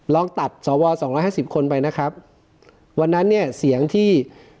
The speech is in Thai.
ลองตัดสวสองร้อยห้าสิบคนไปนะครับวันนั้นเนี่ยเสียงที่